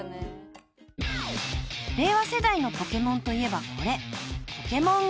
［令和世代の『ポケモン』といえばこれ］